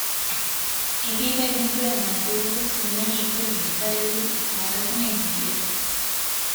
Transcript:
އެ ގޭގައި ގެންގުޅޭ މަދޫއަށް ވެސް ހުންނަނީ އިތުރު ހިތްވަރެއް ލިބި އުފާވެފަހެން ހީވެ